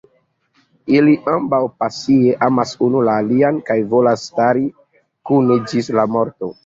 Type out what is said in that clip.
Ili ambaŭ pasie amas unu la alian kaj volas stari kune ĝis la morto.